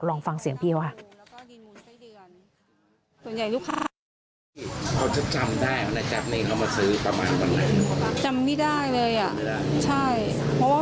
ลองฟังเสียงเพียวค่ะ